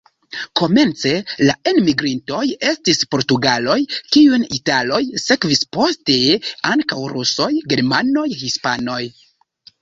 Komence la enmigrintoj estis portugaloj, kiujn italoj sekvis, poste ankaŭ rusoj, germanoj, hispanoj.